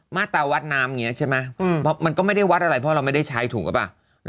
มาตราวัดน้ำอย่างนี้ใช่ไหมเพราะมันก็ไม่ได้วัดอะไรเพราะเราไม่ได้ใช้ถูกหรือเปล่า